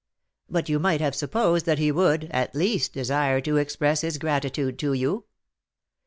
"But you might have supposed that he would, at least, desire to express his gratitude to you."